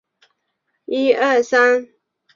这造成需要以不规则的间隔插入闰秒来修正。